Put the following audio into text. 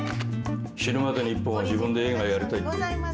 ☎死ぬまでに１本は自分で映画やりたいって。